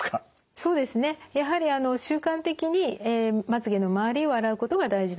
そうですねやはり習慣的にまつげの周りを洗うことが大事だと思います。